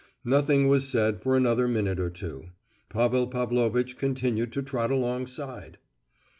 Nothing was said for another minute or two. Pavel Pavlovitch continued to trot alongside.